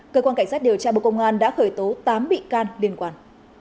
cơ quan cảnh sát điều tra bộ công an đã khởi tố tám bị can liên quan